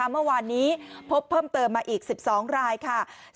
เมื่อวานนี้พบเพิ่มเติมมาอีก๑๒รายค่ะ